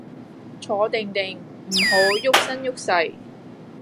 坐定定，唔好郁身郁勢